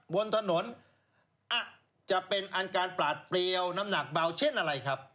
บนถนนจะเป็นอันการปลาดเปรียวน้ำหนักเบาเช่นอะไรครับ